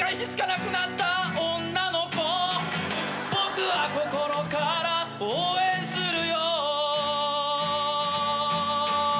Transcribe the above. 「僕は心から応援するよ」